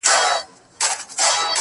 د حسن د ادراک لپاره